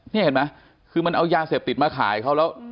นี่เห็นไหมคือมันเอายาเสพติดมาขายเขาแล้ว